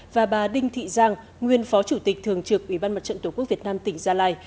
và bà đinh thị giang nguyên phó chủ tịch thường trực ủy ban mặt trận tổ quốc việt nam tỉnh gia lai